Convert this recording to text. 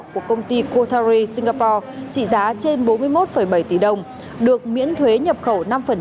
của công ty cothari singapore trị giá trên bốn mươi một bảy tỷ đồng được miễn thuế nhập khẩu năm